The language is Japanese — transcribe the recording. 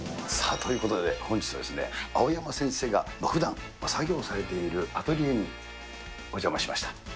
ということで、本日は、青山先生がふだん、作業されているアトリエにお邪魔しました。